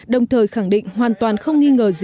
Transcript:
đồng thời khẳng định hoàn toàn không nghi ngờ